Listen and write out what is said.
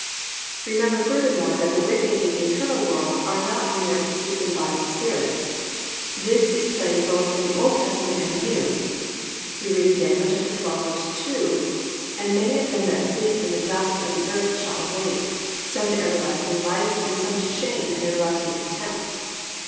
"+ Remember furthermore that the wicked in the eternal world are not mere disembodied spirits. This is plain both from the Old Testament and the New. We read in Dan. 12:2: +"And many of them that sleep in the dust of the earth shall awake, some to everlasting life, and some to shame and everlasting contempt."